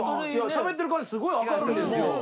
しゃべってる感じすごい明るいんですよ。